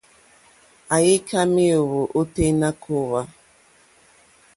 Àyíkâ méěyó ôténá kòòhwà.